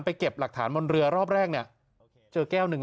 เก็บหลักฐานบนเรือรอบแรกเนี่ยเจอแก้วหนึ่ง